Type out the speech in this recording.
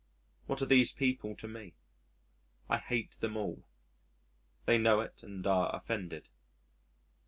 What are these people to me? I hate them all. They know it and are offended.